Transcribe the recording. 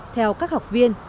theo các học viên